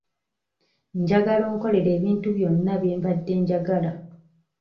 Njagala onkolere ebintu byonna bye mbadde njagala.